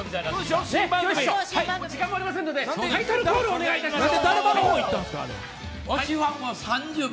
時間もありませんので、タイトルコールをお願いします。